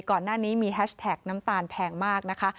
ก่อนหน้านี้มีแฮชแท็กน้ำตาลแพงมากนะคะ